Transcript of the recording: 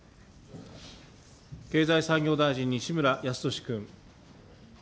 経済産業大臣、西村康稔君。